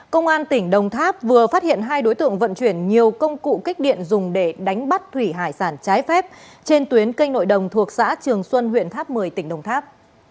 công an tỉnh đồng tháp vừa phát hiện hai đối tượng vận chuyển nhiều công cụ kích điện dùng để đánh bắt thủy hải sản trái phép trên tuyến kênh nội đồng thuộc xã trường xuân huyện tháp một mươi tỉnh đồng tháp